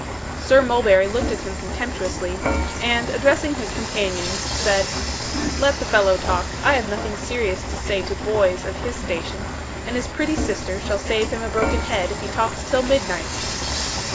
Sir Mulberry looked at him contemptuously, and, addressing his companions, said 'Let the fellow talk, I have nothing serious to say to boys of his station; and his pretty sister shall save him a broken head, if he talks till midnight.